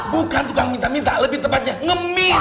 bukan tukang minta minta lebih tepatnya ngemis